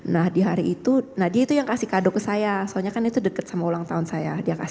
nah di hari itu nadia itu yang kasih kado ke saya soalnya kan itu dekat sama ulang tahun saya